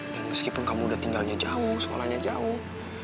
dan meskipun kamu udah tinggalnya jauh sekolahnya jauh